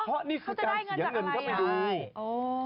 เพราะนี่คือการเสียเงินก็ไปดู